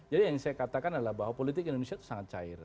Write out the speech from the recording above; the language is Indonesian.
yang saya katakan adalah bahwa politik indonesia itu sangat cair